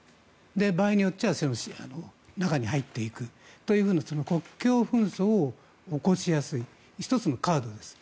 場合によっては中に入っていくというような国境紛争を起こしやすい１つのカードです。